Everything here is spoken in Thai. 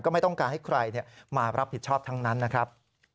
ไม่ต้องการให้ใครมารับผิดชอบทั้งนั้นนะครับ